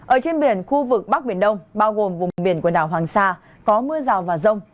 ở trên biển khu vực bắc biển đông bao gồm vùng biển quần đảo hoàng sa có mưa rào và rông